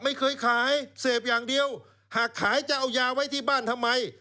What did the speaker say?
ไม่เคยขายเสพอย่างเดียวหากขายจะเอายาไว้ที่บ้านทำไม